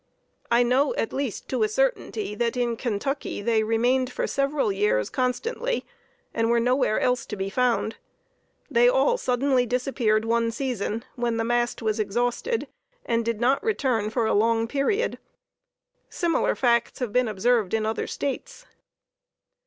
I know, at least, to a certainty, that in Kentucky they remained for several years constantly, and were nowhere else to be found. They all suddenly disappeared one season when the mast was exhausted and did not return for a long period. Similar facts have been observed in other States.